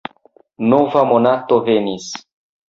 Nova monato venis.